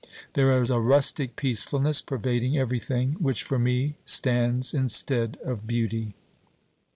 There is a rustic peacefulness pervading everything which, for me, stands instead of beauty.